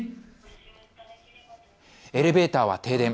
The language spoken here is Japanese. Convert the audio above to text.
エレベーターは停電。